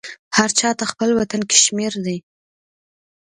هر چا ته خپل وطن کشمیر دی